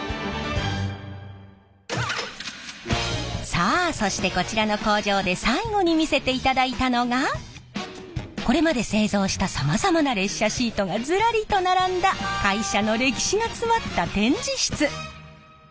さあそしてこちらの工場で最後に見せていただいたのがこれまで製造したさまざまな列車シートがずらりと並んだ会社の歴史が詰まった展示室。